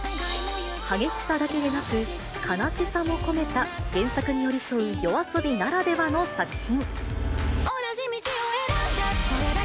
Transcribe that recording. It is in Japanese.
激しさだけでなく、悲しさも込めた原作に寄り添う、ＹＯＡＳＯＢＩならではの作品。